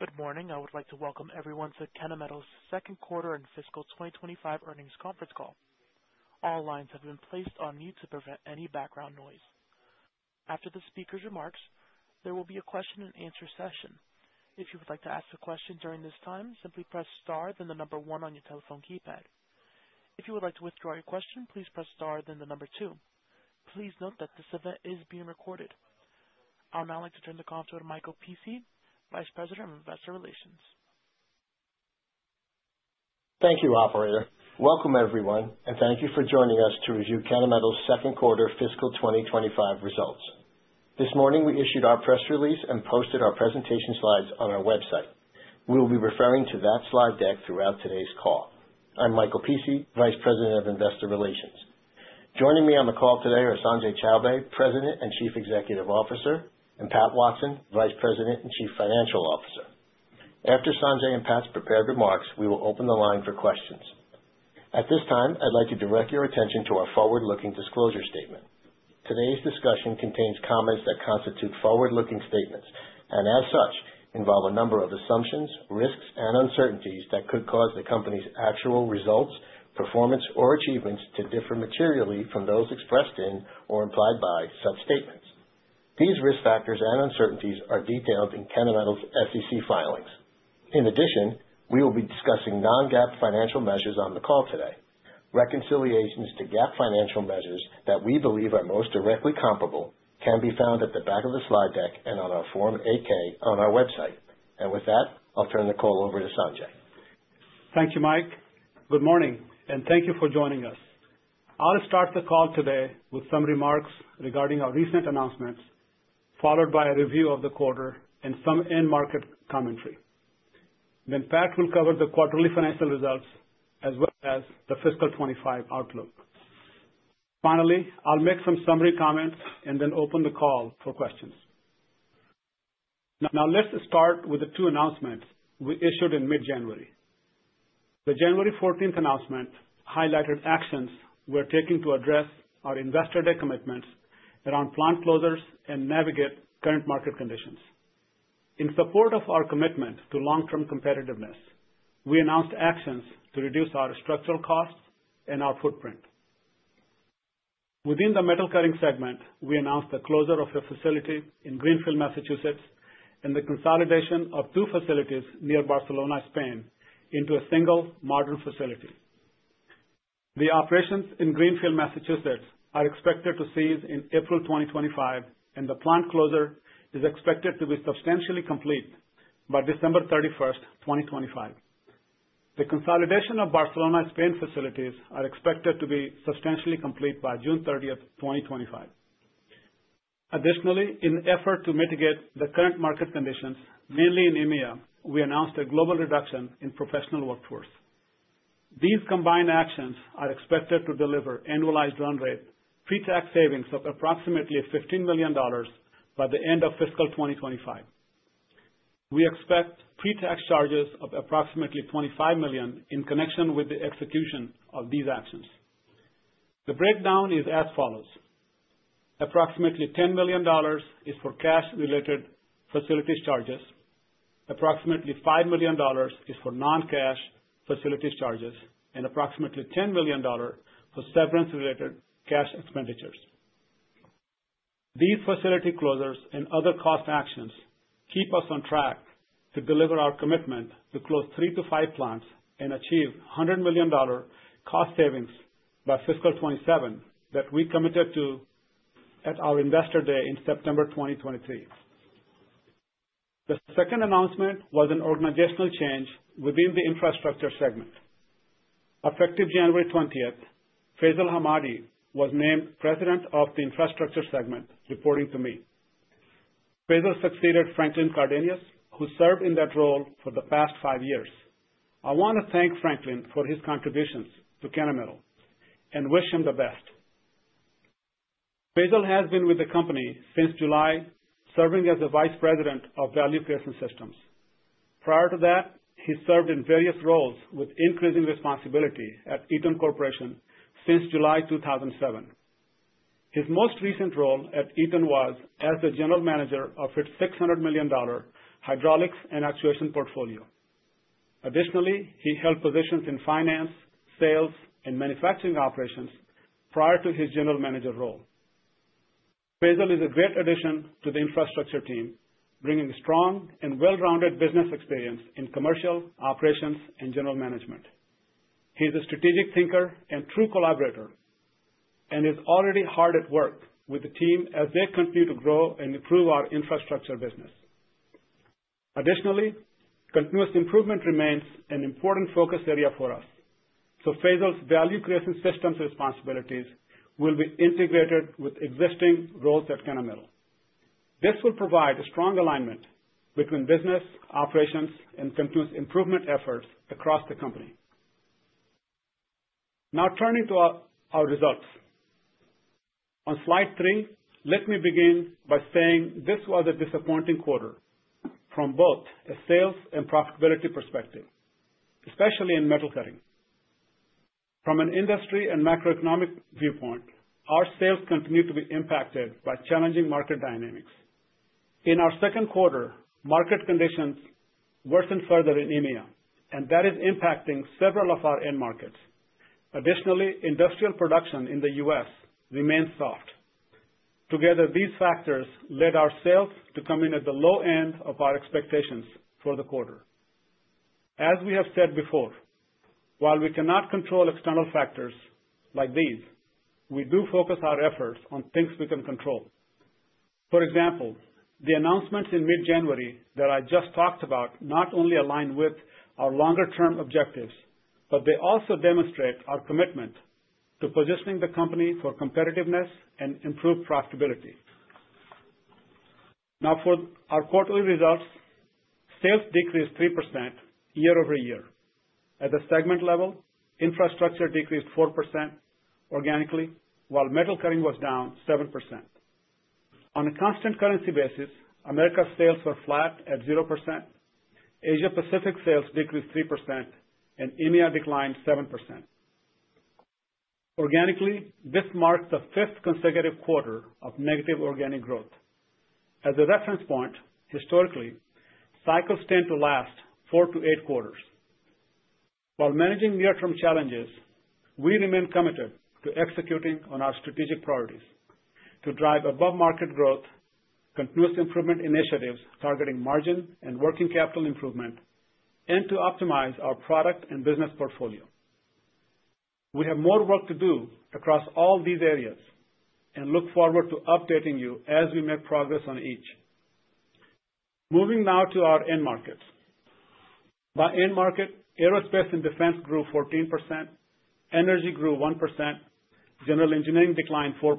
Good morning. I would like to welcome everyone to Kennametal's second quarter and fiscal 2025 earnings conference call. All lines have been placed on mute to prevent any background noise. After the speaker's remarks, there will be a question-and-answer session. If you would like to ask a question during this time, simply press star, then the number one on your telephone keypad. If you would like to withdraw your question, please press star, then the number two. Please note that this event is being recorded. I'll now like to turn the conference over to Michael Pici, Vice President of Investor Relations. Thank you, Operator. Welcome, everyone, and thank you for joining us to review Kennametal's second quarter fiscal 2025 results. This morning, we issued our press release and posted our presentation slides on our website. We'll be referring to that slide deck throughout today's call. I'm Michael Pici, Vice President of Investor Relations. Joining me on the call today are Sanjay Chowbey, President and Chief Executive Officer, and Pat Watson, Vice President and Chief Financial Officer. After Sanjay and Pat's prepared remarks, we will open the line for questions. At this time, I'd like to direct your attention to our forward-looking disclosure statement. Today's discussion contains comments that constitute forward-looking statements and, as such, involve a number of assumptions, risks, and uncertainties that could cause the company's actual results, performance, or achievements to differ materially from those expressed in or implied by such statements. These risk factors and uncertainties are detailed in Kennametal's SEC filings. In addition, we will be discussing non-GAAP financial measures on the call today. Reconciliations to GAAP financial measures that we believe are most directly comparable can be found at the back of the slide deck and on our Form 8-K on our website, and with that, I'll turn the call over to Sanjay. Thank you, Mike. Good morning, and thank you for joining us. I'll start the call today with some remarks regarding our recent announcements, followed by a review of the quarter and some in-market commentary. Then Pat will cover the quarterly financial results as well as the fiscal 2025 outlook. Finally, I'll make some summary comments and then open the call for questions. Now, let's start with the two announcements we issued in mid-January. The January 14th announcement highlighted actions we're taking to address our investor day commitments around plant closures and navigate current market conditions. In support of our commitment to long-term competitiveness, we announced actions to reduce our structural costs and our footprint. Within the metal cutting segment, we announced the closure of a facility in Greenfield, Massachusetts, and the consolidation of two facilities near Barcelona, Spain, into a single modern facility. The operations in Greenfield, Massachusetts, are expected to cease in April 2025, and the plant closure is expected to be substantially complete by December 31st, 2025. The consolidation of Barcelona and Spain facilities are expected to be substantially complete by June 30th, 2025. Additionally, in an effort to mitigate the current market conditions, mainly in EMEA, we announced a global reduction in professional workforce. These combined actions are expected to deliver annualized run rate, pre-tax savings of approximately $15 million by the end of fiscal 2025. We expect pre-tax charges of approximately $25 million in connection with the execution of these actions. The breakdown is as follows: approximately $10 million is for cash-related facilities charges, approximately $5 million is for non-cash facilities charges, and approximately $10 million for severance-related cash expenditures. These facility closures and other cost actions keep us on track to deliver our commitment to close three to five plants and achieve $100 million cost savings by fiscal 2027 that we committed to at our Investor Day in September 2023. The second announcement was an organizational change within the infrastructure segment. Effective January 20th, Faisal Hamady was named President of the infrastructure segment, reporting to me. Faisal succeeded Franklin Cardenas, who served in that role for the past five years. I want to thank Franklin for his contributions to Kennametal and wish him the best. Faisal has been with the company since July, serving as the Vice President of Value Creation Systems. Prior to that, he served in various roles with increasing responsibility at Eaton Corporation since July 2007. His most recent role at Eaton was as the General Manager of its $600 million hydraulics and actuation portfolio. Additionally, he held positions in finance, sales, and manufacturing operations prior to his General Manager role. Faisal is a great addition to the infrastructure team, bringing strong and well-rounded business experience in commercial operations and general management. He's a strategic thinker and true collaborator and is already hard at work with the team as they continue to grow and improve our infrastructure business. Additionally, continuous improvement remains an important focus area for us, so Faisal's Value Creation Systems responsibilities will be integrated with existing roles at Kennametal. This will provide a strong alignment between business, operations, and continuous improvement efforts across the company. Now, turning to our results. On slide three, let me begin by saying this was a disappointing quarter from both a sales and profitability perspective, especially in metal cutting. From an industry and macroeconomic viewpoint, our sales continue to be impacted by challenging market dynamics. In our second quarter, market conditions worsened further in EMEA, and that is impacting several of our end markets. Additionally, industrial production in the U.S. remained soft. Together, these factors led our sales to come in at the low end of our expectations for the quarter. As we have said before, while we cannot control external factors like these, we do focus our efforts on things we can control. For example, the announcements in mid-January that I just talked about not only align with our longer-term objectives, but they also demonstrate our commitment to positioning the company for competitiveness and improved profitability. Now, for our quarterly results, sales decreased 3% year-over-year. At the segment level, infrastructure decreased 4% organically, while metal cutting was down 7%. On a constant currency basis, Americas' sales were flat at 0%. Asia-Pacific sales decreased 3%, and EMEA declined 7%. Organically, this marks the fifth consecutive quarter of negative organic growth. As a reference point, historically, cycles tend to last four to eight quarters. While managing near-term challenges, we remain committed to executing on our strategic priorities to drive above-market growth, continuous improvement initiatives targeting margin and working capital improvement, and to optimize our product and business portfolio. We have more work to do across all these areas and look forward to updating you as we make progress on each. Moving now to our end markets. By end market, aerospace and defense grew 14%, energy grew 1%, general engineering declined 4%,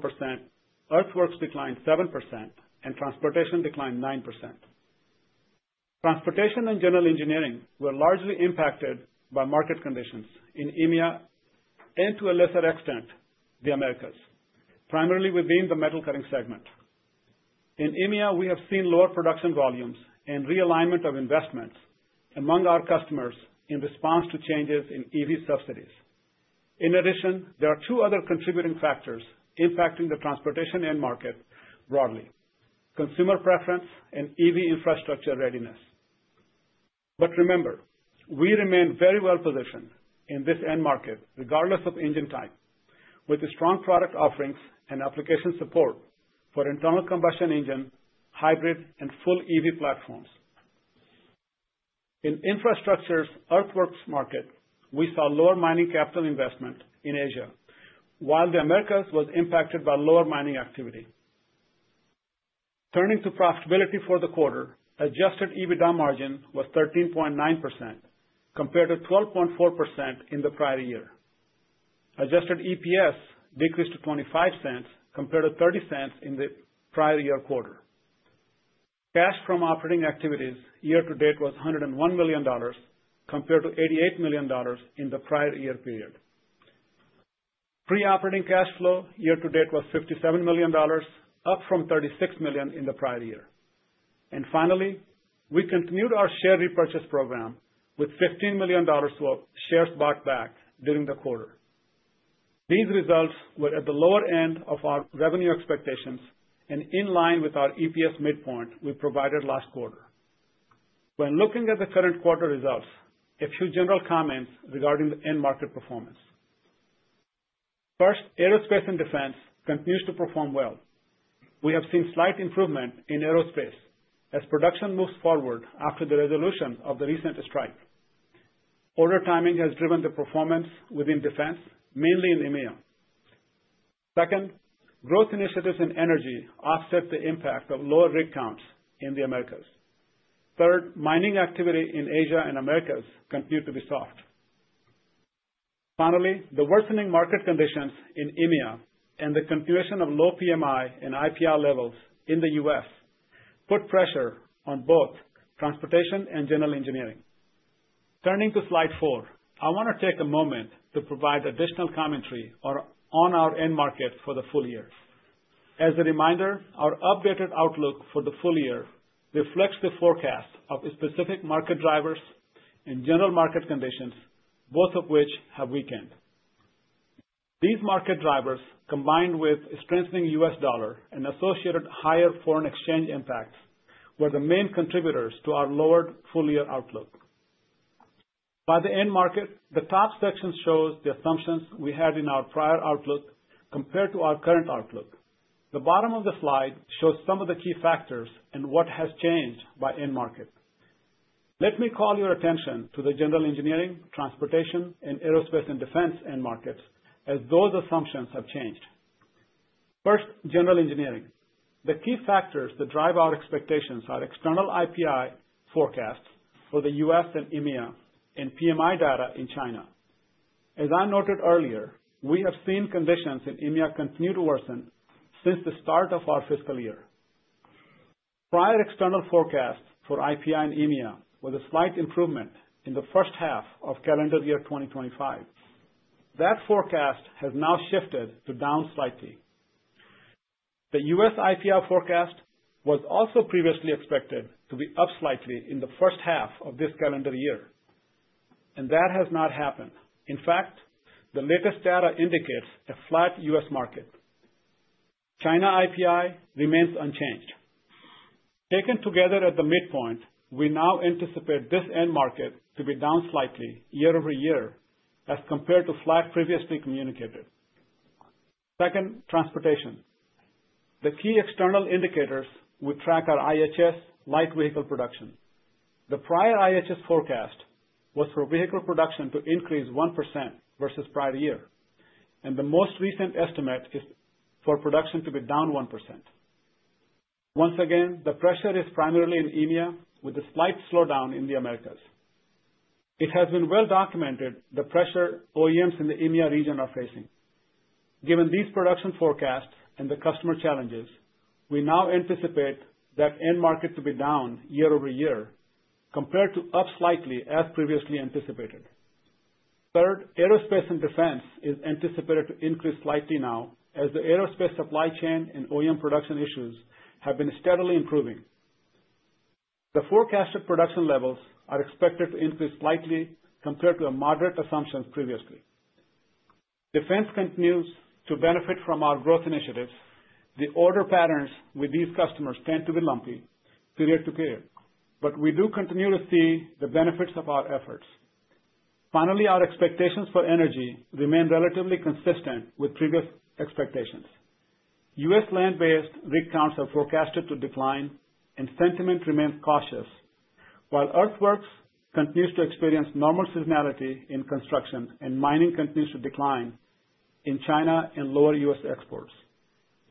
earthworks declined 7%, and transportation declined 9%. Transportation and general engineering were largely impacted by market conditions in EMEA and, to a lesser extent, the Americas, primarily within the metal cutting segment. In EMEA, we have seen lower production volumes and realignment of investments among our customers in response to changes in EV subsidies. In addition, there are two other contributing factors impacting the transportation end market broadly: consumer preference and EV infrastructure readiness. But remember, we remain very well positioned in this end market, regardless of engine type, with strong product offerings and application support for internal combustion engine, hybrid, and full EV platforms. In infrastructure's earthworks market, we saw lower mining capital investment in Asia, while the Americas was impacted by lower mining activity. Turning to profitability for the quarter, adjusted EBITDA margin was 13.9% compared to 12.4% in the prior year. Adjusted EPS decreased to $0.25 compared to $0.30 in the prior year quarter. Cash from operating activities year-to-date was $101 million compared to $88 million in the prior year period. Operating cash flow year-to-date was $57 million, up from $36 million in the prior year. And finally, we continued our share repurchase program with $15 million worth of shares bought back during the quarter. These results were at the lower end of our revenue expectations and in line with our EPS midpoint we provided last quarter. When looking at the current quarter results, a few general comments regarding the end market performance. First, aerospace and defense continues to perform well. We have seen slight improvement in aerospace as production moves forward after the resolution of the recent strike. Order timing has driven the performance within defense, mainly in EMEA. Second, growth initiatives in energy offset the impact of lower rig counts in the Americas. Third, mining activity in Asia and Americas continued to be soft. Finally, the worsening market conditions in EMEA and the continuation of low PMI and IPI levels in the U.S. put pressure on both transportation and general engineering. Turning to slide four, I want to take a moment to provide additional commentary on our end market for the full year. As a reminder, our updated outlook for the full year reflects the forecast of specific market drivers and general market conditions, both of which have weakened. These market drivers, combined with strengthening U.S. dollar and associated higher foreign exchange impacts, were the main contributors to our lowered full year outlook. By the end market, the top section shows the assumptions we had in our prior outlook compared to our current outlook. The bottom of the slide shows some of the key factors and what has changed by end market. Let me call your attention to the general engineering, transportation, and aerospace and defense end markets as those assumptions have changed. First, General engineering. The key factors that drive our expectations are external IPI forecasts for the U.S. and EMEA and PMI data in China. As I noted earlier, we have seen conditions in EMEA continue to worsen since the start of our fiscal year. Prior external forecasts for IPI and EMEA were a slight improvement in the first half of calendar year 2025. That forecast has now shifted to down slightly. The U.S. IPI forecast was also previously expected to be up slightly in the first half of this calendar year, and that has not happened. In fact, the latest data indicates a flat U.S. market. China IPI remains unchanged. Taken together at the midpoint, we now anticipate this end market to be down slightly year-over-year as compared to flat previously communicated. Second, Transportation. The key external indicators we track are IHS light vehicle production. The prior IHS forecast was for vehicle production to increase 1% versus prior year, and the most recent estimate is for production to be down 1%. Once again, the pressure is primarily in EMEA with a slight slowdown in the Americas. It has been well documented the pressure OEMs in the EMEA region are facing. Given these production forecasts and the customer challenges, we now anticipate that end market to be down year-over-year compared to up slightly as previously anticipated. Third, Aerospace and defense is anticipated to increase slightly now as the aerospace supply chain and OEM production issues have been steadily improving. The forecasted production levels are expected to increase slightly compared to moderate assumptions previously. Defense continues to benefit from our growth initiatives. The order patterns with these customers tend to be lumpy period to period, but we do continue to see the benefits of our efforts. Finally, our expectations for energy remain relatively consistent with previous expectations. U.S. land-based rig counts are forecasted to decline, and sentiment remains cautious, while earthworks continues to experience normal seasonality in construction and mining continues to decline in China and lower U.S. exports.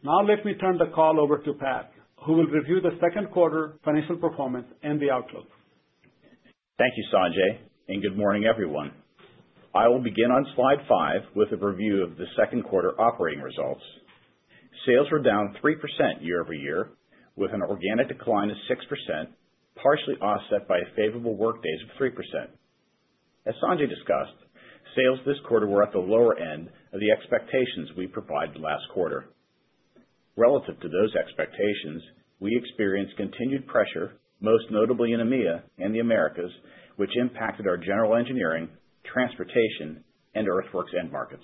Now, let me turn the call over to Pat, who will review the second quarter financial performance and the outlook. Thank you, Sanjay, and good morning, everyone. I will begin on slide five with a review of the second quarter operating results. Sales were down 3% year-over-year, with an organic decline of 6%, partially offset by favorable workdays of 3%. As Sanjay discussed, sales this quarter were at the lower end of the expectations we provided last quarter. Relative to those expectations, we experienced continued pressure, most notably in EMEA and the Americas, which impacted our general engineering, transportation, and earthworks end markets.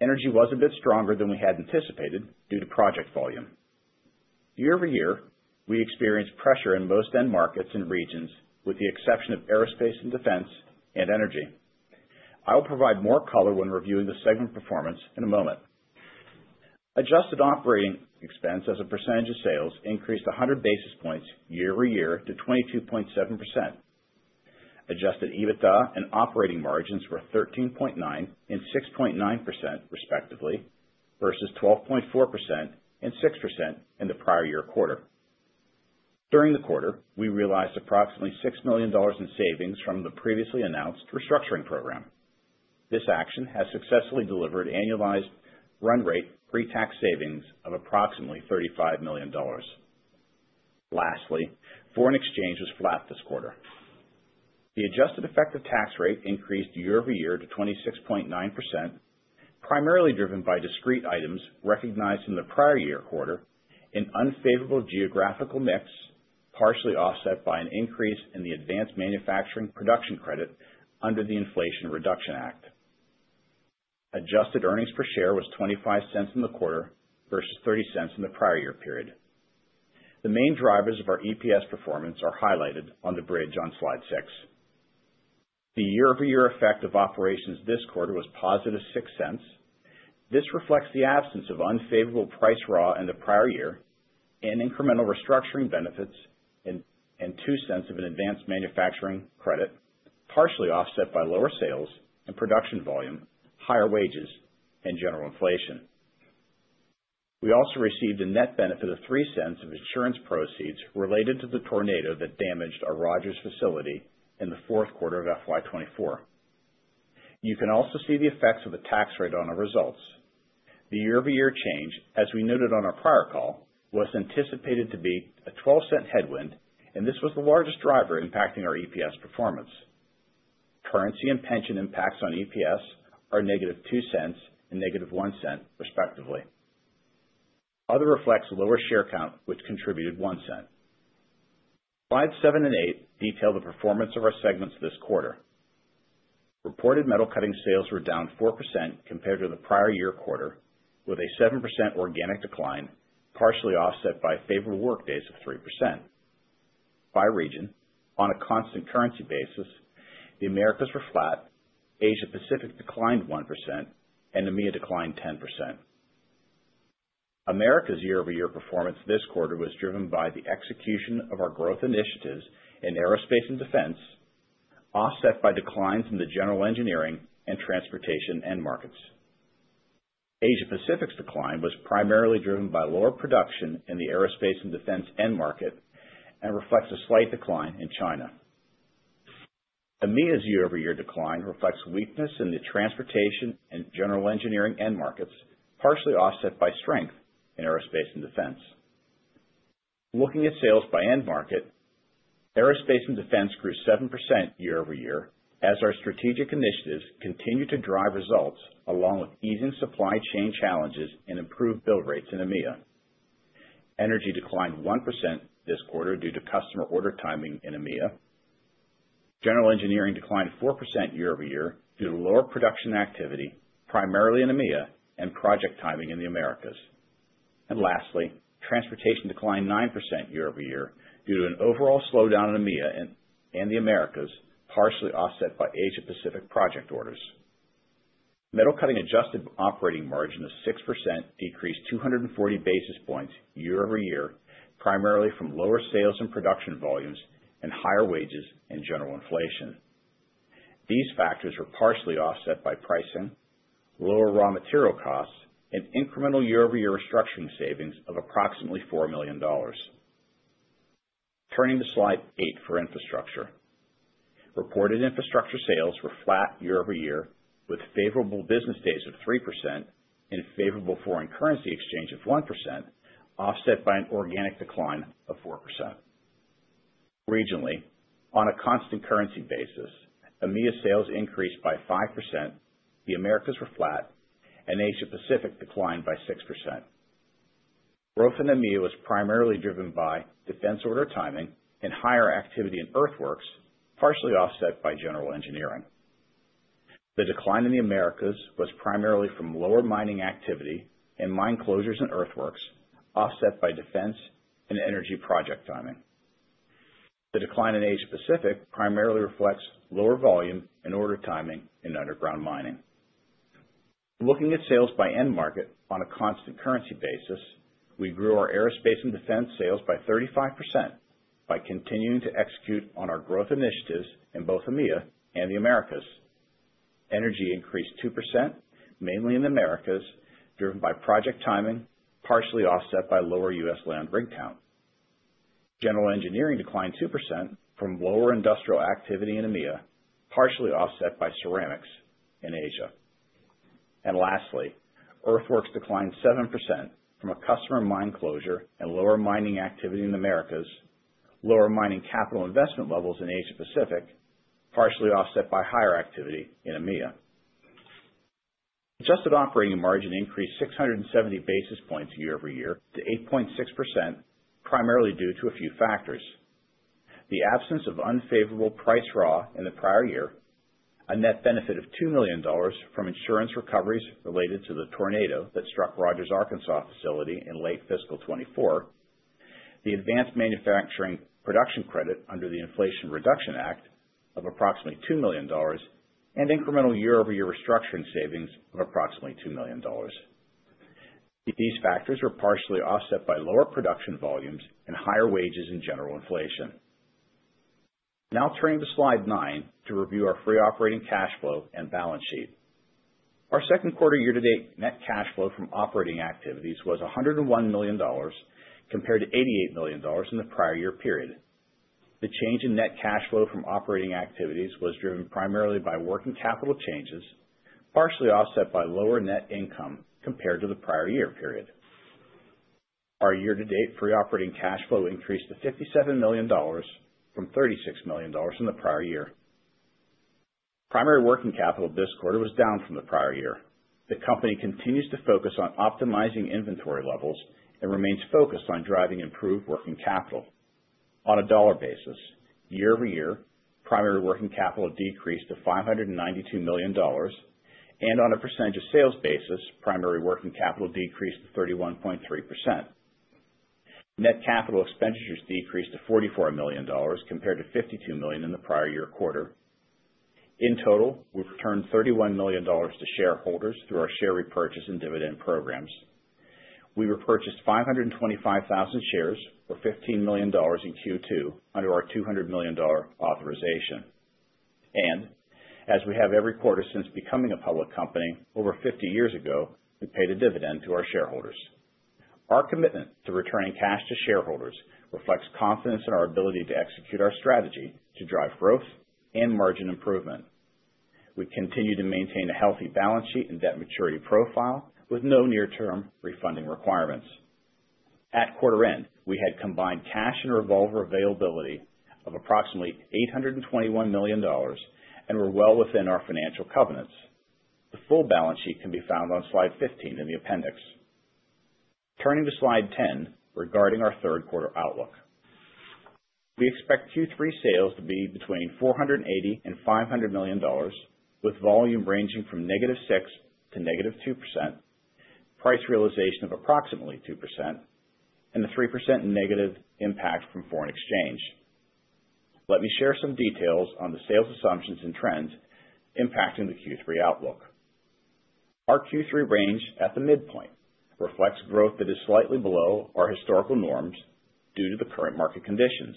Energy was a bit stronger than we had anticipated due to project volume. Year-over-year, we experienced pressure in most end markets and regions, with the exception of aerospace and defense and energy. I will provide more color when reviewing the segment performance in a moment. Adjusted operating expense as a percentage of sales increased 100 basis points year-over-year to 22.7%. Adjusted EBITDA and operating margins were 13.9% and 6.9%, respectively, versus 12.4% and 6% in the prior year quarter. During the quarter, we realized approximately $6 million in savings from the previously announced restructuring program. This action has successfully delivered annualized run rate pre-tax savings of approximately $35 million. Lastly, foreign exchange was flat this quarter. The adjusted effective tax rate increased year-over-year to 26.9%, primarily driven by discrete items recognized in the prior year quarter, an unfavorable geographical mix partially offset by an increase in the Advanced Manufacturing Production Credit under the Inflation Reduction Act. Adjusted earnings per share was $0.25 in the quarter versus $0.30 in the prior year period. The main drivers of our EPS performance are highlighted on the bridge on slide six. The year-over-year effect of operations this quarter was positive $0.06. This reflects the absence of unfavorable price/raw in the prior year and incremental restructuring benefits and $0.02 of an Advanced Manufacturing Credit, partially offset by lower sales and production volume, higher wages, and general inflation. We also received a net benefit of $0.03 of insurance proceeds related to the tornado that damaged our Rogers facility in the fourth quarter of FY 2024. You can also see the effects of the tax rate on our results. The year-over-year change, as we noted on our prior call, was anticipated to be a $0.12 headwind, and this was the largest driver impacting our EPS performance. Currency and pension impacts on EPS are -$0.02 and -$0.01, respectively. Other reflects lower share count, which contributed $0.01. Slides seven and eight detail the performance of our segments this quarter. Reported metal cutting sales were down 4% compared to the prior year quarter, with a 7% organic decline, partially offset by favorable workdays of 3%. By region, on a constant currency basis, the Americas were flat, Asia-Pacific declined 1%, and EMEA declined 10%. Americas' year-over-year performance this quarter was driven by the execution of our growth initiatives in aerospace and defense, offset by declines in the general engineering and transportation end markets. Asia-Pacific's decline was primarily driven by lower production in the aerospace and defense end market and reflects a slight decline in China. EMEA's year-over-year decline reflects weakness in the transportation and general engineering end markets, partially offset by strength in aerospace and defense. Looking at sales by end market, aerospace and defense grew 7% year-over-year as our strategic initiatives continued to drive results along with easing supply chain challenges and improved build rates in EMEA. Energy declined 1% this quarter due to customer order timing in EMEA. General engineering declined 4% year-over-year due to lower production activity, primarily in EMEA and project timing in the Americas, and lastly, transportation declined 9% year-over-year due to an overall slowdown in EMEA and the Americas, partially offset by Asia-Pacific project orders. Metal cutting adjusted operating margin of 6% decreased 240 basis points year-over-year, primarily from lower sales and production volumes and higher wages and general inflation. These factors were partially offset by pricing, lower raw material costs, and incremental year-over-year restructuring savings of approximately $4 million. Turning to slide eight for infrastructure. Reported infrastructure sales were flat year-over-year, with favorable business days of 3% and favorable foreign currency exchange of 1%, offset by an organic decline of 4%. Regionally, on a constant currency basis, EMEA sales increased by 5%, the Americas were flat, and Asia-Pacific declined by 6%. Growth in EMEA was primarily driven by defense order timing and higher activity in earthworks, partially offset by general engineering. The decline in the Americas was primarily from lower mining activity and mine closures and earthworks, offset by defense and energy project timing. The decline in Asia-Pacific primarily reflects lower volume and order timing in underground mining. Looking at sales by end market on a constant currency basis, we grew our aerospace and defense sales by 35% by continuing to execute on our growth initiatives in both EMEA and the Americas. Energy increased 2%, mainly in the Americas, driven by project timing, partially offset by lower U.S. land rig count. General engineering declined 2% from lower industrial activity in EMEA, partially offset by ceramics in Asia. Lastly, earthworks declined 7% from a customer mine closure and lower mining activity in the Americas, lower mining capital investment levels in Asia-Pacific, partially offset by higher activity in EMEA. Adjusted operating margin increased 670 basis points year-over-year to 8.6%, primarily due to a few factors: the absence of unfavorable pricing in the prior year, a net benefit of $2 million from insurance recoveries related to the tornado that struck Rogers, Arkansas facility in late fiscal 2024, the Advanced Manufacturing Production Credit under the Inflation Reduction Act of approximately $2 million, and incremental year-over-year restructuring savings of approximately $2 million. These factors were partially offset by lower production volumes and higher wages and general inflation. Now, turning to slide nine to review our free operating cash flow and balance sheet. Our second quarter year-to-date net cash flow from operating activities was $101 million compared to $88 million in the prior year period. The change in net cash flow from operating activities was driven primarily by working capital changes, partially offset by lower net income compared to the prior year period. Our year-to-date free operating cash flow increased to $57 million from $36 million in the prior year. Primary working capital this quarter was down from the prior year. The company continues to focus on optimizing inventory levels and remains focused on driving improved working capital. On a dollar basis, year-over-year, primary working capital decreased to $592 million, and on a percentage of sales basis, primary working capital decreased to 31.3%. Net capital expenditures decreased to $44 million compared to $52 million in the prior year quarter. In total, we returned $31 million to shareholders through our share repurchase and dividend programs. We repurchased 525,000 shares for $15 million in Q2 under our $200 million authorization, and as we have every quarter since becoming a public company over 50 years ago, we paid a dividend to our shareholders. Our commitment to returning cash to shareholders reflects confidence in our ability to execute our strategy to drive growth and margin improvement. We continue to maintain a healthy balance sheet and debt maturity profile with no near-term refunding requirements. At quarter end, we had combined cash and revolver availability of approximately $821 million and were well within our financial covenants. The full balance sheet can be found on slide 15 in the appendix. Turning to slide 10 regarding our third quarter outlook. We expect Q3 sales to be between $480 million and $500 million, with volume ranging from -6% to -2%, price realization of approximately 2%, and a 3% negative impact from foreign exchange. Let me share some details on the sales assumptions and trends impacting the Q3 outlook. Our Q3 range at the midpoint reflects growth that is slightly below our historical norms due to the current market conditions.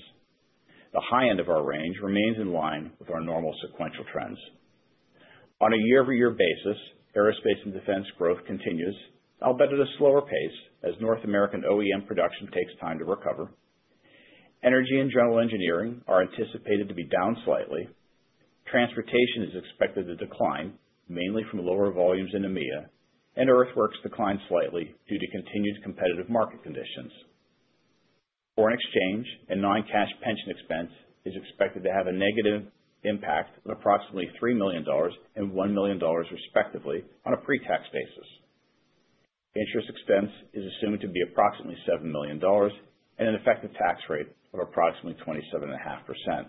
The high end of our range remains in line with our normal sequential trends. On a year-over-year basis, aerospace and defense growth continues, albeit at a slower pace as North American OEM production takes time to recover. Energy and general engineering are anticipated to be down slightly. Transportation is expected to decline, mainly from lower volumes in EMEA, and earthworks decline slightly due to continued competitive market conditions. Foreign exchange and non-cash pension expense is expected to have a negative impact of approximately $3 million and $1 million, respectively, on a pre-tax basis. Interest expense is assumed to be approximately $7 million and an effective tax rate of approximately 27.5%.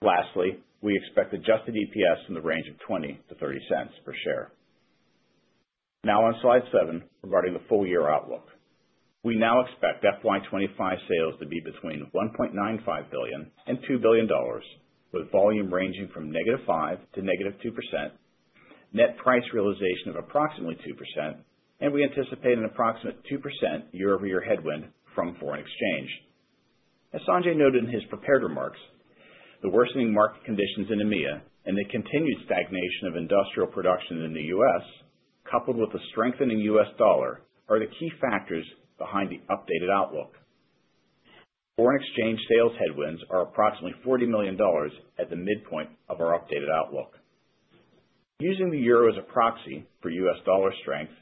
Lastly, we expect adjusted EPS in the range of $0.20-$0.30 per share. Now, on slide seven regarding the full-year outlook. We now expect FY 2025 sales to be between $1.95 billion and $2 billion, with volume ranging from -5% to -2%, net price realization of approximately 2%, and we anticipate an approximate 2% year-over-year headwind from foreign exchange. As Sanjay noted in his prepared remarks, the worsening market conditions in EMEA and the continued stagnation of industrial production in the U.S., coupled with the strengthening U.S. dollar, are the key factors behind the updated outlook. Foreign exchange sales headwinds are approximately $40 million at the midpoint of our updated outlook. Using the euro as a proxy for U.S. dollar strength,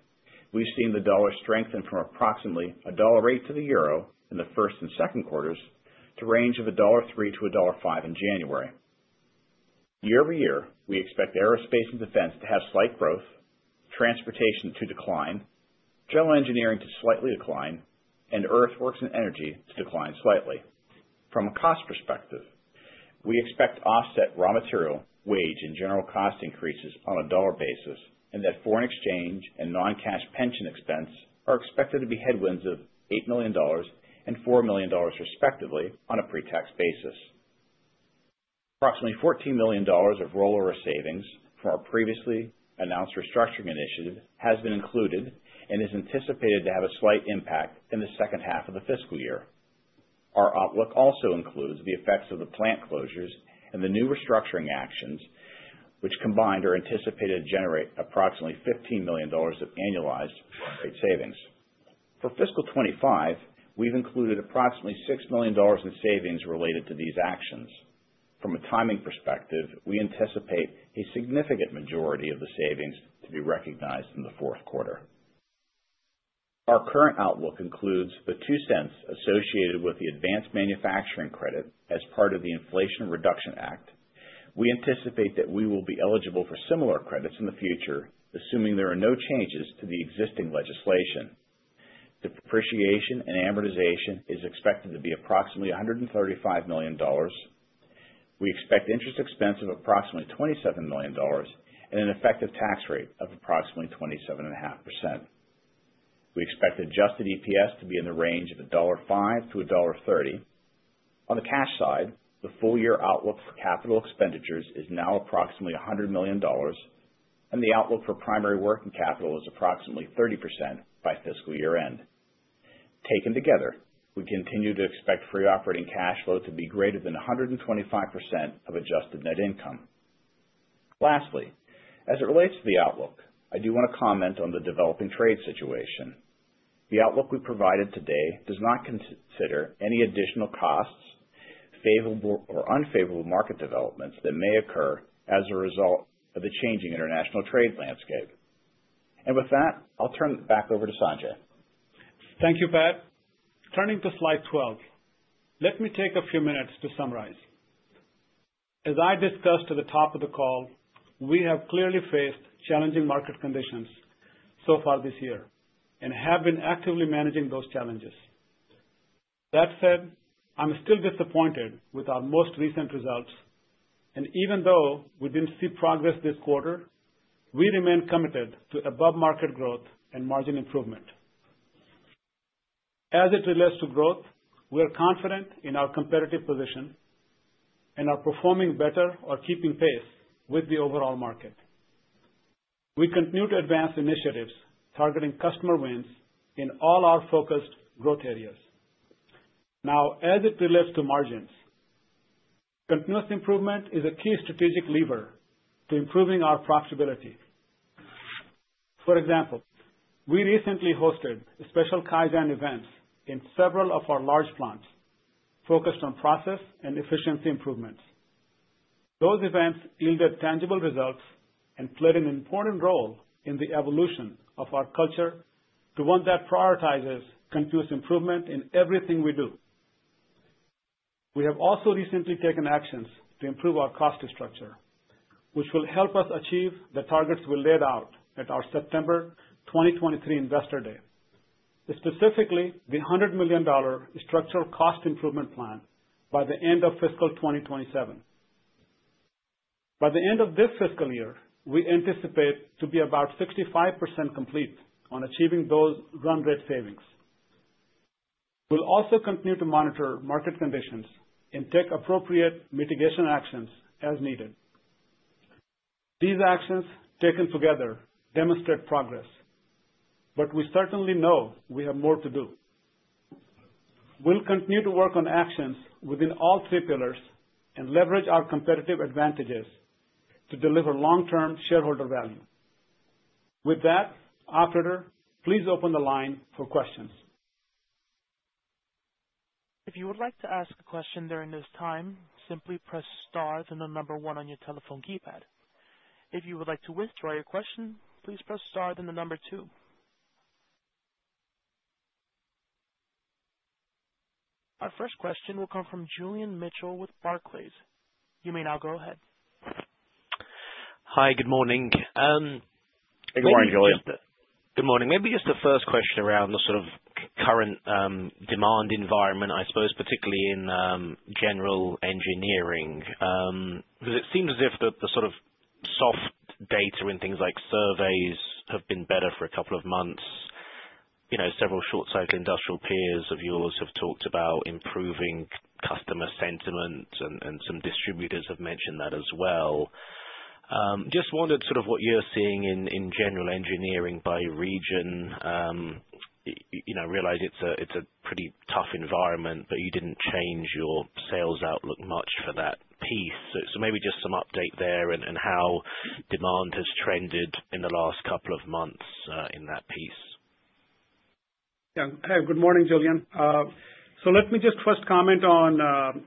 we've seen the dollar strengthen from approximately $1.08 to the euro in the first and second quarters to a range of $1.03-$1.05 in January. Year-over-year, we expect aerospace and defense to have slight growth, transportation to decline, general engineering to slightly decline, and earthworks and energy to decline slightly. From a cost perspective, we expect offset raw material wage and general cost increases on a dollar basis and that foreign exchange and non-cash pension expense are expected to be headwinds of $8 million and $4 million, respectively, on a pre-tax basis. Approximately $14 million of roll-over savings from our previously announced restructuring initiative has been included and is anticipated to have a slight impact in the second half of the fiscal year. Our outlook also includes the effects of the plant closures and the new restructuring actions, which combined are anticipated to generate approximately $15 million of annualized savings. For fiscal 2025, we've included approximately $6 million in savings related to these actions. From a timing perspective, we anticipate a significant majority of the savings to be recognized in the fourth quarter. Our current outlook includes the $0.02 associated with the advanced manufacturing credit as part of the Inflation Reduction Act. We anticipate that we will be eligible for similar credits in the future, assuming there are no changes to the existing legislation. The depreciation and amortization is expected to be approximately $135 million. We expect interest expense of approximately $27 million and an effective tax rate of approximately 27.5%. We expect adjusted EPS to be in the range of $1.05-$1.30. On the cash side, the full year outlook for capital expenditures is now approximately $100 million, and the outlook for primary working capital is approximately 30% by fiscal year end. Taken together, we continue to expect free operating cash flow to be greater than 125% of adjusted net income. Lastly, as it relates to the outlook, I do want to comment on the developing trade situation. The outlook we provided today does not consider any additional costs, favorable or unfavorable market developments that may occur as a result of the changing international trade landscape. And with that, I'll turn it back over to Sanjay. Thank you, Pat. Turning to slide 12, let me take a few minutes to summarize. As I discussed at the top of the call, we have clearly faced challenging market conditions so far this year and have been actively managing those challenges. That said, I'm still disappointed with our most recent results, and even though we didn't see progress this quarter, we remain committed to above-market growth and margin improvement. As it relates to growth, we are confident in our competitive position and are performing better or keeping pace with the overall market. We continue to advance initiatives targeting customer wins in all our focused growth areas. Now, as it relates to margins, continuous improvement is a key strategic lever to improving our profitability. For example, we recently hosted special Kaizen events in several of our large plants focused on process and efficiency improvements. Those events yielded tangible results and played an important role in the evolution of our culture to one that prioritizes continuous improvement in everything we do. We have also recently taken actions to improve our cost structure, which will help us achieve the targets we laid out at our September 2023 Investor Day, specifically the $100 million structural cost improvement plan by the end of fiscal 2027. By the end of this fiscal year, we anticipate to be about 65% complete on achieving those run rate savings. We'll also continue to monitor market conditions and take appropriate mitigation actions as needed. These actions taken together demonstrate progress, but we certainly know we have more to do. We'll continue to work on actions within all three pillars and leverage our competitive advantages to deliver long-term shareholder value. With that, operator, please open the line for questions. If you would like to ask a question during this time, simply press star then the number one on your telephone keypad. If you would like to withdraw your question, please press star then the number two. Our first question will come from Julian Mitchell with Barclays. You may now go ahead. Hi, good morning. Hey, good morning, Julian. Good morning. Maybe just the first question around the sort of current demand environment, I suppose, particularly in general engineering, because it seems as if the sort of soft data and things like surveys have been better for a couple of months. Several short-cycling industrial peers of yours have talked about improving customer sentiment, and some distributors have mentioned that as well. Just wondered sort of what you're seeing in general engineering by region. I realize it's a pretty tough environment, but you didn't change your sales outlook much for that piece. So maybe just some update there and how demand has trended in the last couple of months in that piece. Yeah. Hey, good morning, Julian. So let me just first comment on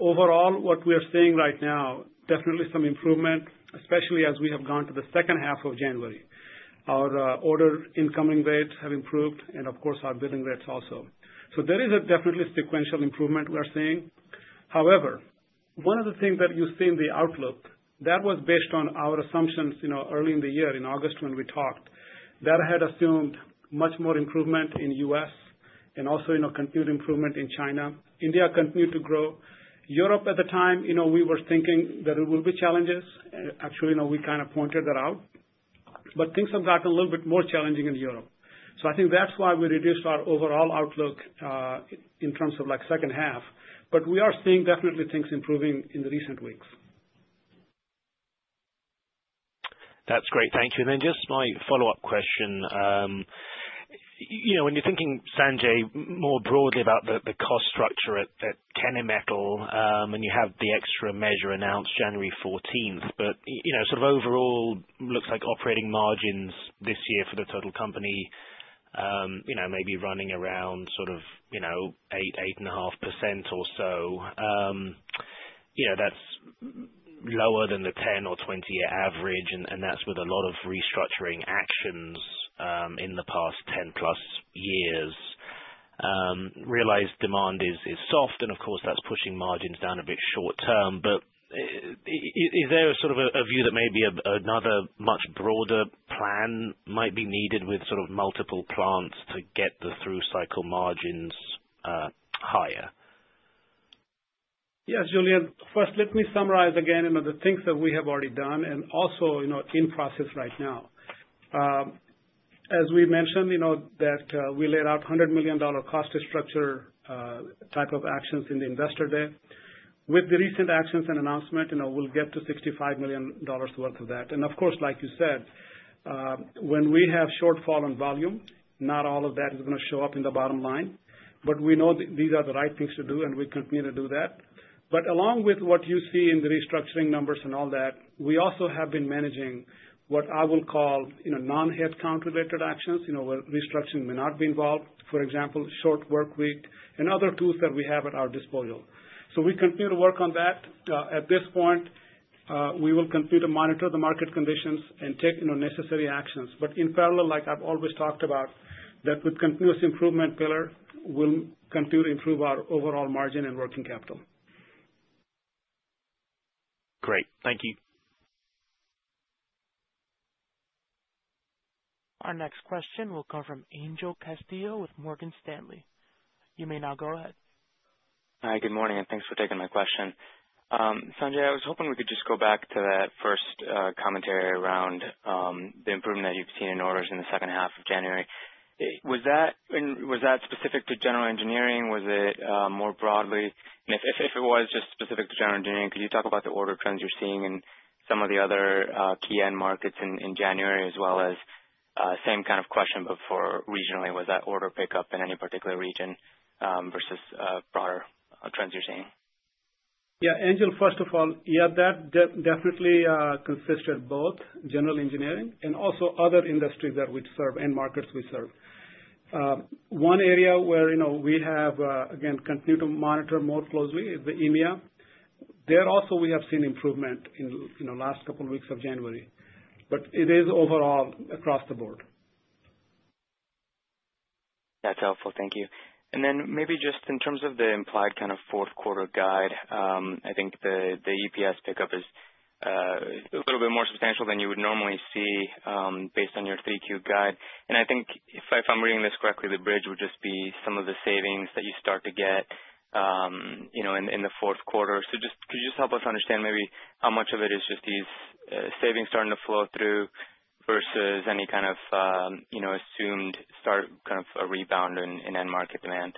overall what we are seeing right now, definitely some improvement, especially as we have gone to the second half of January. Our order incoming rates have improved, and of course, our billing rates also. So there is definitely sequential improvement we are seeing. However, one of the things that you see in the outlook that was based on our assumptions early in the year in August when we talked, that had assumed much more improvement in the U.S. and also continued improvement in China. India continued to grow. Europe at the time, we were thinking that there will be challenges. Actually, we kind of pointed that out, but things have gotten a little bit more challenging in Europe. So I think that's why we reduced our overall outlook in terms of second half, but we are seeing definitely things improving in the recent weeks. That's great. Thank you. And then just my follow-up question. When you're thinking, Sanjay, more broadly about the cost structure at Kennametal, and you have the extra measure announced January 14th, but sort of overall looks like operating margins this year for the total company may be running around sort of 8%-8.5% or so. That's lower than the 10- or 20-year average, and that's with a lot of restructuring actions in the past 10-plus years. Realized demand is soft, and of course, that's pushing margins down a bit short-term. But is there sort of a view that maybe another much broader plan might be needed with sort of multiple plants to get the through cycle margins higher? Yes, Julian. First, let me summarize again the things that we have already done and also in process right now. As we mentioned that we laid out $100 million cost structure type of actions in the Investor Day. With the recent actions and announcement, we'll get to $65 million worth of that. And of course, like you said, when we have shortfall in volume, not all of that is going to show up in the bottom line, but we know that these are the right things to do, and we continue to do that. But along with what you see in the restructuring numbers and all that, we also have been managing what I will call non-headcount-related actions where restructuring may not be involved, for example, short work week and other tools that we have at our disposal. So we continue to work on that. At this point, we will continue to monitor the market conditions and take necessary actions. But in parallel, like I've always talked about, that with continuous improvement pillar, we'll continue to improve our overall margin and working capital. Great. Thank you. Our next question will come from Angel Castillo with Morgan Stanley. You may now go ahead. Hi, good morning, and thanks for taking my question. Sanjay, I was hoping we could just go back to that first commentary around the improvement that you've seen in orders in the second half of January. Was that specific to general engineering? Was it more broadly? And if it was just specific to general engineering, could you talk about the order trends you're seeing in some of the other key end markets in January, as well as same kind of question, but for regionally, was that order pickup in any particular region versus broader trends you're seeing? Yeah. Angel, first of all, yeah, that definitely consisted of both general engineering and also other industries that we serve and markets we serve. One area where we have, again, continued to monitor more closely is the EMEA. There also, we have seen improvement in the last couple of weeks of January, but it is overall across the board. That's helpful. Thank you. And then maybe just in terms of the implied kind of fourth quarter guide, I think the EPS pickup is a little bit more substantial than you would normally see based on your Q3 guide. I think, if I'm reading this correctly, the bridge would just be some of the savings that you start to get in the fourth quarter. So could you just help us understand maybe how much of it is just these savings starting to flow through versus any kind of assumed start kind of a rebound in end market demand?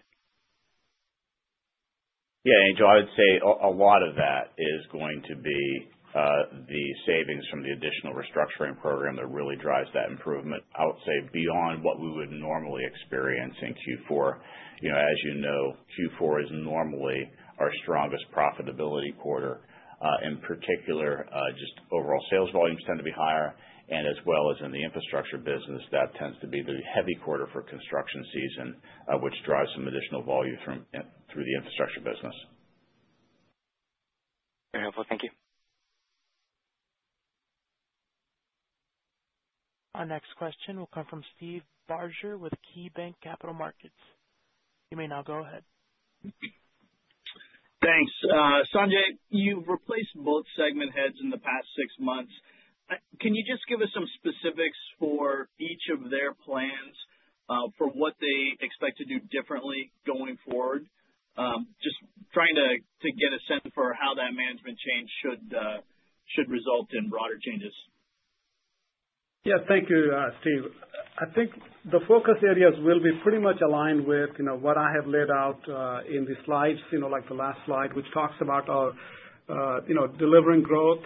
Yeah, Angel, I would say a lot of that is going to be the savings from the additional restructuring program that really drives that improvement, I would say, beyond what we would normally experience in Q4. As you know, Q4 is normally our strongest profitability quarter. In particular, just overall sales volumes tend to be higher, and as well as in the infrastructure business, that tends to be the heavy quarter for construction season, which drives some additional volume through the infrastructure business. Very helpful. Thank you. Our next question will come from Steve Barger with KeyBanc Capital Markets. You may now go ahead. Thanks. Sanjay, you've replaced both segment heads in the past six months. Can you just give us some specifics for each of their plans for what they expect to do differently going forward, just trying to get a sense for how that management change should result in broader changes? Yeah, thank you, Steve. I think the focus areas will be pretty much aligned with what I have laid out in the slides, like the last slide, which talks about our delivering growth.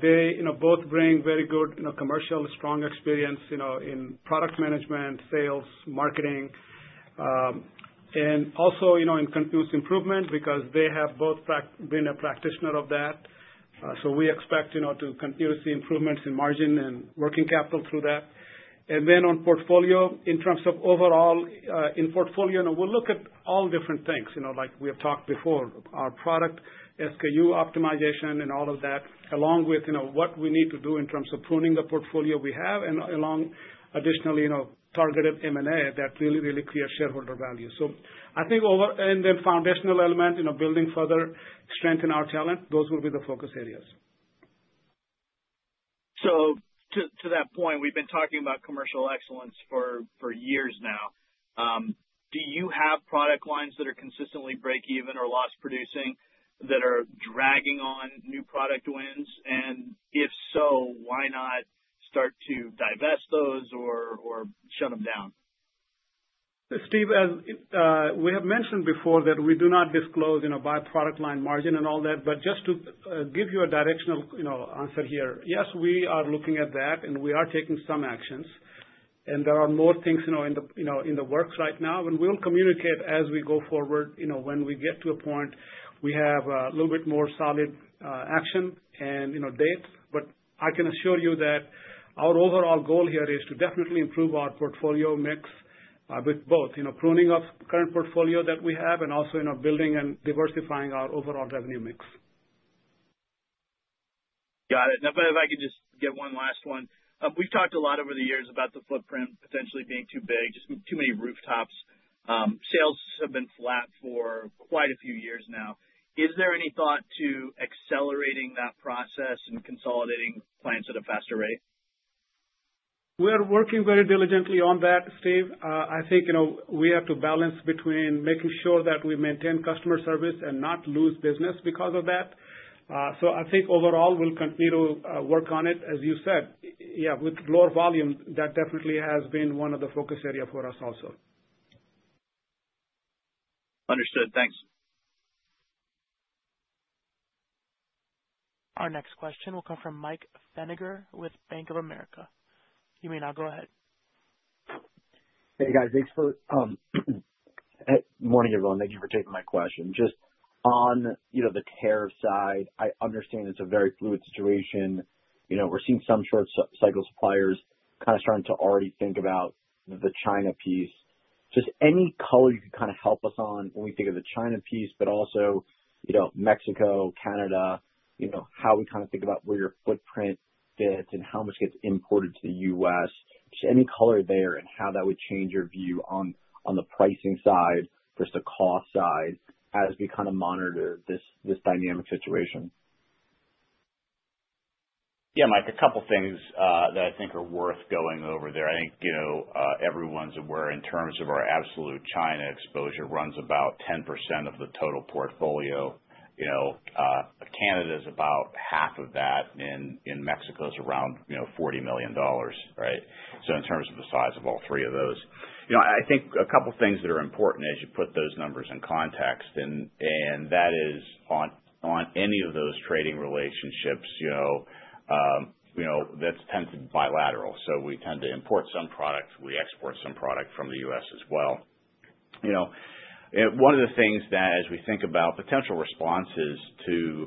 They both bring very good commercial, strong experience in product management, sales, marketing, and also in continuous improvement because they have both been a practitioner of that. So we expect to continue to see improvements in margin and working capital through that. And then on portfolio, in terms of overall, in portfolio, we'll look at all different things, like we have talked before, our product, SKU optimization, and all of that, along with what we need to do in terms of pruning the portfolio we have and along additionally targeted M&A that really, really creates shareholder value. So I think over and then foundational element, building further, strengthen our talent, those will be the focus areas. So to that point, we've been talking about commercial excellence for years now. Do you have product lines that are consistently break-even or loss-producing that are dragging on new product wins? And if so, why not start to divest those or shut them down? Steve, as we have mentioned before that we do not disclose by product line margin and all that, but just to give you a directional answer here, yes, we are looking at that, and we are taking some actions, and there are more things in the works right now, and we'll communicate as we go forward. When we get to a point, we have a little bit more solid action and dates, but I can assure you that our overall goal here is to definitely improve our portfolio mix with both pruning of current portfolio that we have and also building and diversifying our overall revenue mix. Got it. If I could just get one last one. We've talked a lot over the years about the footprint potentially being too big, just too many rooftops. Sales have been flat for quite a few years now. Is there any thought to accelerating that process and consolidating plants at a faster rate? We're working very diligently on that, Steve. I think we have to balance between making sure that we maintain customer service and not lose business because of that. So I think overall, we'll continue to work on it. As you said, yeah, with lower volume, that definitely has been one of the focus areas for us also. Understood. Thanks. Our next question will come from Mike Feniger with Bank of America. You may now go ahead. Hey, guys. Good morning, everyone. Thank you for taking my question. Just on the tariff side, I understand it's a very fluid situation. We're seeing some short-cycle suppliers kind of starting to already think about the China piece. Just any color you could kind of help us on when we think of the China piece, but also Mexico, Canada, how we kind of think about where your footprint fits and how much gets imported to the U.S., just any color there and how that would change your view on the pricing side, just the cost side, as we kind of monitor this dynamic situation? Yeah, Mike, a couple of things that I think are worth going over there. I think everyone's aware in terms of our absolute China exposure runs about 10% of the total portfolio. Canada is about half of that, and in Mexico, it's around $40 million, right? So in terms of the size of all three of those, I think a couple of things that are important as you put those numbers in context, and that is on any of those trading relationships, that tends to be bilateral. So we tend to import some products. We export some product from the U.S. as well. One of the things that, as we think about potential responses to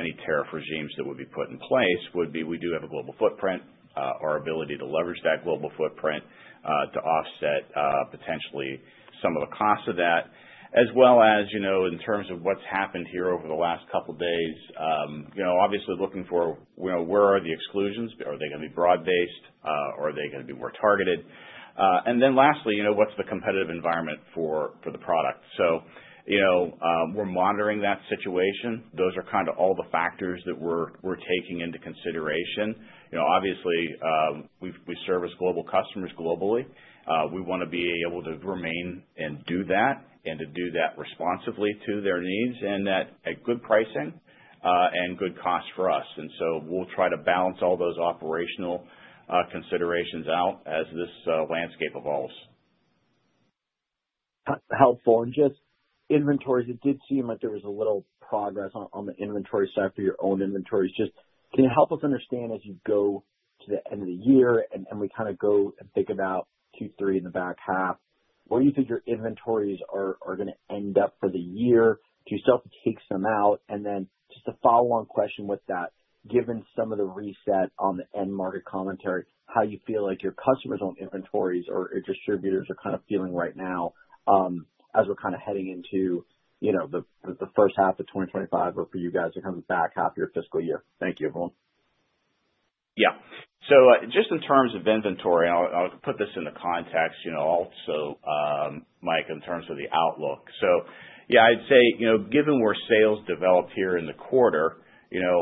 any tariff regimes that would be put in place, would be we do have a global footprint, our ability to leverage that global footprint to offset potentially some of the costs of that, as well as in terms of what's happened here over the last couple of days, obviously looking for where are the exclusions? Are they going to be broad-based? Are they going to be more targeted? And then lastly, what's the competitive environment for the product? So we're monitoring that situation. Those are kind of all the factors that we're taking into consideration. Obviously, we service global customers globally. We want to be able to remain and do that and to do that responsively to their needs and at good pricing and good costs for us. And so we'll try to balance all those operational considerations out as this landscape evolves. Helpful. And just inventories, it did seem like there was a little progress on the inventory side for your own inventories. Just can you help us understand as you go to the end of the year and we kind of go and think about Q3 in the back half, where you think your inventories are going to end up for the year? Do you still have to take some out? And then just a follow-on question with that, given some of the reset on the end market commentary, how you feel like your customers on inventories or your distributors are kind of feeling right now as we're kind of heading into the first half of 2025 or for you guys to come to the back half of your fiscal year? Thank you, everyone. Yeah. So just in terms of inventory, I'll put this in the context also, Mike, in terms of the outlook. So yeah, I'd say given where sales developed here in the quarter,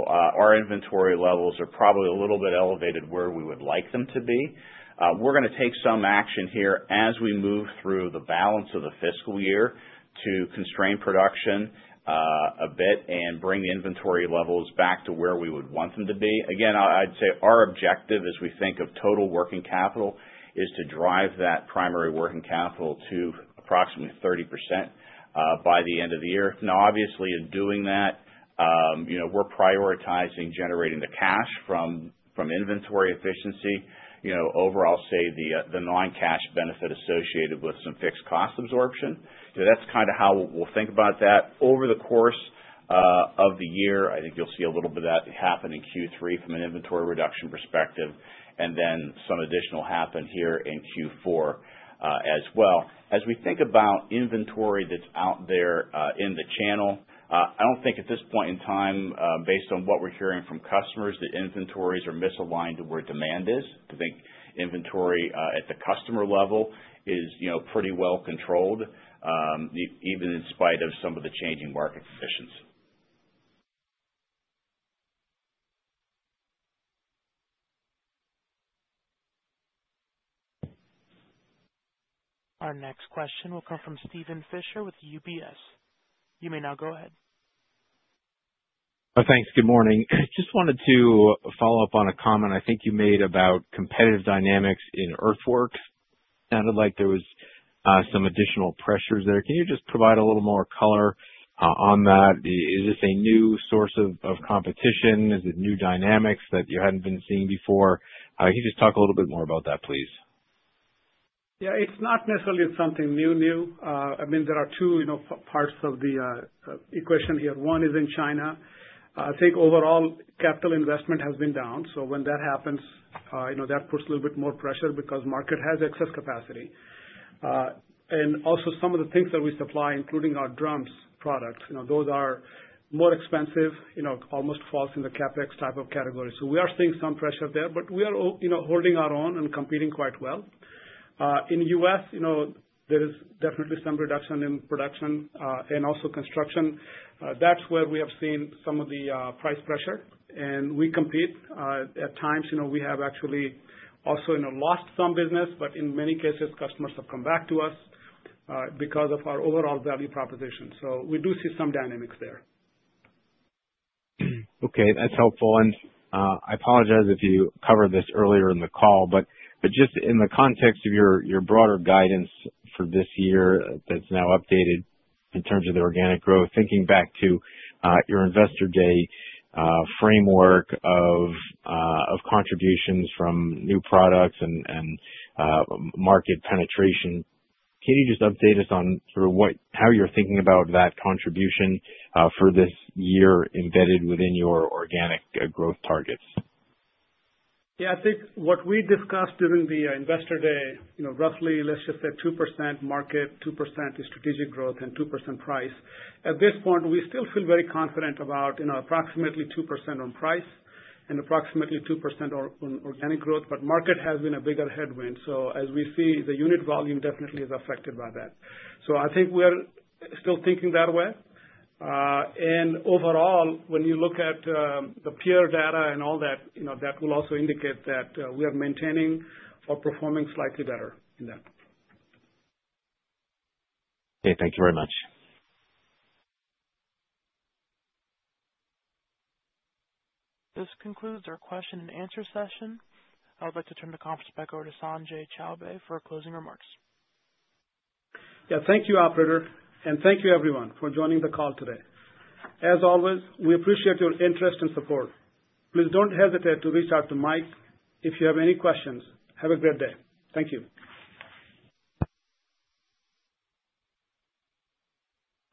our inventory levels are probably a little bit elevated where we would like them to be. We're going to take some action here as we move through the balance of the fiscal year to constrain production a bit and bring inventory levels back to where we would want them to be. Again, I'd say our objective, as we think of total working capital, is to drive that primary working capital to approximately 30% by the end of the year. Now, obviously, in doing that, we're prioritizing generating the cash from inventory efficiency, over, I'll say, the non-cash benefit associated with some fixed cost absorption. That's kind of how we'll think about that. Over the course of the year, I think you'll see a little bit of that happen in Q3 from an inventory reduction perspective, and then some additional happen here in Q4 as well. As we think about inventory that's out there in the channel, I don't think at this point in time, based on what we're hearing from customers, that inventories are misaligned to where demand is. I think inventory at the customer level is pretty well controlled, even in spite of some of the changing market conditions. Our next question will come from Steven Fisher with UBS. You may now go ahead. Thanks. Good morning. Just wanted to follow up on a comment I think you made about competitive dynamics in earthworks. Sounded like there was some additional pressures there. Can you just provide a little more color on that? Is this a new source of competition? Is it new dynamics that you hadn't been seeing before? Can you just talk a little bit more about that, please? Yeah. It's not necessarily something new, new. I mean, there are two parts of the equation here. One is in China. I think overall capital investment has been down. So when that happens, that puts a little bit more pressure because the market has excess capacity. And also some of the things that we supply, including our drums products, those are more expensive, almost falls in the CapEx type of category. So we are seeing some pressure there, but we are holding our own and competing quite well. In the U.S., there is definitely some reduction in production and also construction. That's where we have seen some of the price pressure, and we compete. At times, we have actually also lost some business, but in many cases, customers have come back to us because of our overall value proposition. So we do see some dynamics there. Okay. That's helpful. And I apologize if you covered this earlier in the call, but just in the context of your broader guidance for this year that's now updated in terms of the organic growth, thinking back to your Investor Day framework of contributions from new products and market penetration, can you just update us on how you're thinking about that contribution for this year embedded within your organic growth targets? Yeah. I think what we discussed during the Investor Day, roughly, let's just say 2% market, 2% strategic growth, and 2% price. At this point, we still feel very confident about approximately 2% on price and approximately 2% on organic growth, but market has been a bigger headwind. So as we see, the unit volume definitely is affected by that. So I think we're still thinking that way. Overall, when you look at the PIR data and all that, that will also indicate that we are maintaining or performing slightly better in that. Okay. Thank you very much. This concludes our question-and-answer session. I would like to turn the conference back over to Sanjay Chowbey for closing remarks. Yeah. Thank you, Operator, and thank you, everyone, for joining the call today. As always, we appreciate your interest and support. Please don't hesitate to reach out to Mike if you have any questions. Have a great day. Thank you.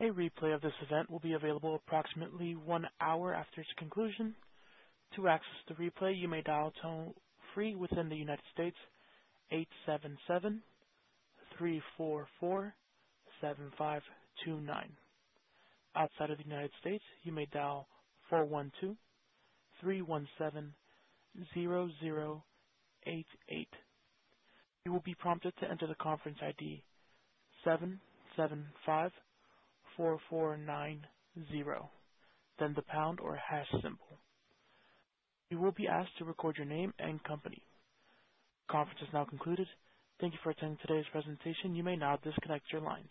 A replay of this event will be available approximately one hour after its conclusion. To access the replay, you may dial toll free within the United States, 877-344-7529. Outside of the United States, you may dial 412-317-0088. You will be prompted to enter the conference ID, 775-4490, then the pound or hash symbol. You will be asked to record your name and company. The conference is now concluded. Thank you for attending today's presentation. You may now disconnect your lines.